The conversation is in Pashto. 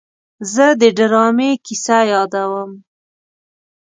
زه د ډرامې کیسه یادوم.